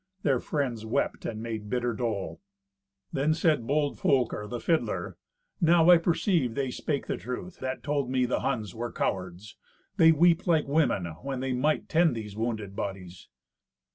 Their friends wept and made bitter dole. Then said bold Folker the fiddler, "Now I perceive they spake the truth that told me the Huns were cowards. They weep like women, when they might tend these wounded bodies."